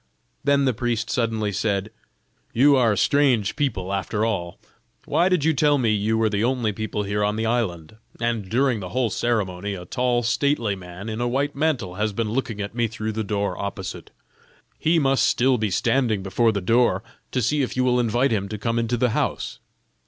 Then the priest suddenly said: "You are strange people after all. Why did you tell me you were the only people here on the island? and during the whole ceremony, a tall stately man, in a white mantle, has been looking at me through the window opposite. He must still be standing before the door, to see if you will invite him to come into the house."